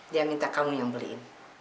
dia minta kamu yang beliin